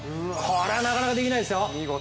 これは、なかなかできないですよ。